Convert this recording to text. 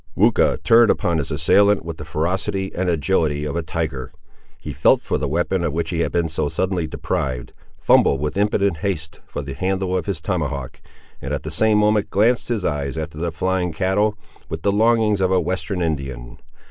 Weucha turned upon his assailant with the ferocity and agility of a tiger. He felt for the weapon of which he had been so suddenly deprived, fumbled with impotent haste for the handle of his tomahawk, and at the same moment glanced his eyes after the flying cattle, with the longings of a Western Indian.